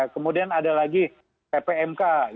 kemudian ada lagi ppmk